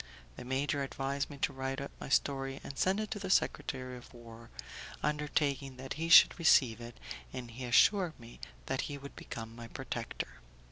The major advised me to write out my story and send it to the secretary of war, undertaking that he should receive it, and he assured me that he would become my protector.